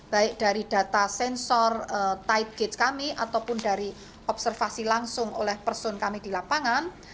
baik dari data sensor tight gates kami ataupun dari observasi langsung oleh person kami di lapangan